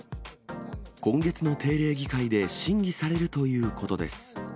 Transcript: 今月の定例議会で審議されるということです。